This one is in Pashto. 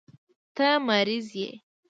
ته مريض يې.